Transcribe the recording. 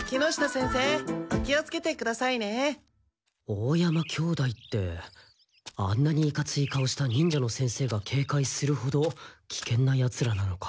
大山兄弟ってあんなにいかつい顔した忍者の先生がけいかいするほど危険なヤツらなのか。